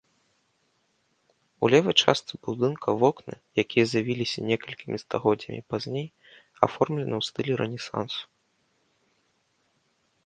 У левай частцы будынка вокны, якія з'явіліся некалькімі стагоддзямі пазней, аформлены ў стылі рэнесансу.